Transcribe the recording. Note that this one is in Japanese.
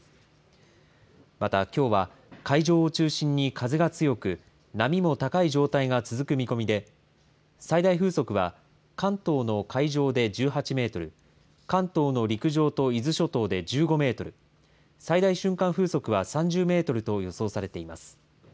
また、きょうは海上を中心に風が強く、波も高い状態が続く見込みで、最大風速は関東の海上で１８メートル、関東の陸上と伊豆諸島で１５メートル、最大瞬間風速は３０メートルと予想されています。